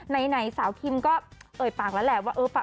ในไหนสาวคิมก็เตยปากแล้วว่า